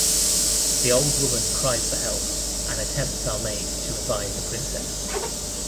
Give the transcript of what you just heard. The old woman cries for help and attempts are made to revive the princess.